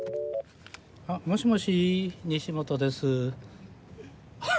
もしもし西本です。